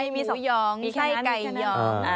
มีหมูหยองไส้ไก่หยอง